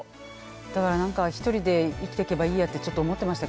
だから何か一人で生きてけばいいやってちょっと思ってましたけど。